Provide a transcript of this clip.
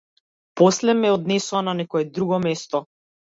После ме однесоа на некое друго место.